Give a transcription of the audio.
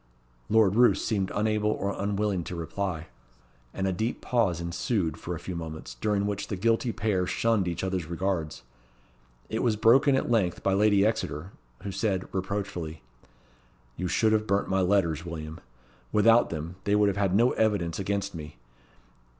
Lord Roos seemed unable or unwilling to reply; and a deep pause ensued for a few moments, during which the guilty pair shunned each other's regards. It was broken at length by Lady Exeter, who said, reproachfully, "You should have burnt my letters, William. Without them, they would have had no evidence against me.